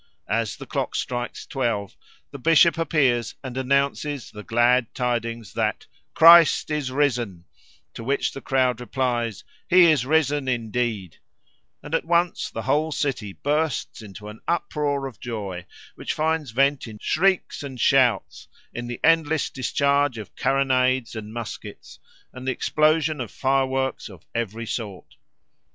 As the clock strikes twelve, the bishop appears and announces the glad tidings that 'Christ is risen,' to which the crowd replies, 'He is risen indeed,' and at once the whole city bursts into an uproar of joy, which finds vent in shrieks and shouts, in the endless discharge of carronades and muskets, and the explosion of fire works of every sort.